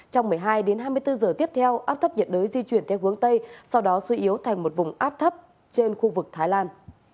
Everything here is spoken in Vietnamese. trong một mươi hai đến hai mươi bốn giờ tiếp theo áp thấp nhiệt đới di chuyển theo hướng tây sau đó suy yếu thành một vùng áp thấp trên khu vực thái lan